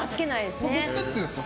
持って行ってるんですか？